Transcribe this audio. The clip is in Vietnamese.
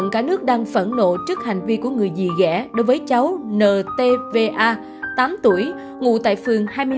cả nước đang phẫn nộ trước hành vi của người dì ghẻ đối với cháu ntva tám tuổi ngủ tại phường hai mươi hai